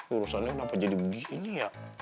urusannya kenapa jadi begini ya